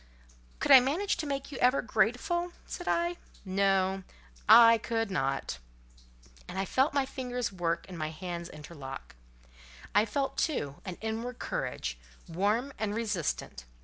"Could I manage to make you ever grateful?" said I. "No, I could not." And I felt my fingers work and my hands interlock: I felt, too, an inward courage, warm and resistant.